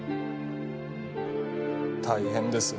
大変です。